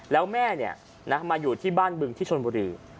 แล้วแม่มาอยู่ที่บ้านบึงที่ชนบุรี